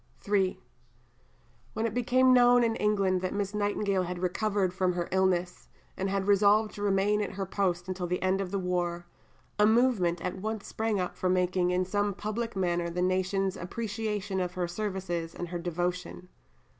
III When it became known in England that Miss Nightingale had recovered from her illness, and had resolved to remain at her post until the end of the war, a movement at once sprang up for marking in some public manner the nation's appreciation of her services and her devotion.